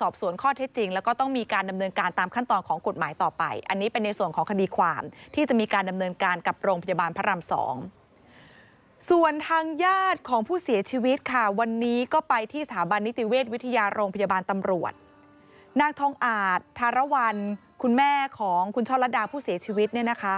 ส่วนทางญาติของผู้เสียชีวิตค่ะวันนี้ก็ไปที่สถาบันนิติเวชวิทยาโรงพยาบาลตำรวจนางทองอาจธารวรรณคุณแม่ของคุณช่อลัดดาผู้เสียชีวิตเนี่ยนะคะ